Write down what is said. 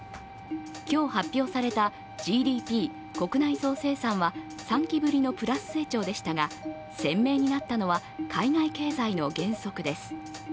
今日発表されたＧＤＰ＝国内総生産は３期ぶりのプラス成長でしたが、鮮明になったのは海外経済の減速です。